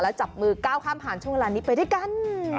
แล้วจับมือก้าวข้ามผ่านช่วงเวลานี้ไปด้วยกัน